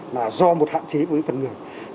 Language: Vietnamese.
là do một hạn chế với phần nước ngoài